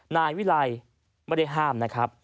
นายวิไลไม่ได้ห้ามนะครับ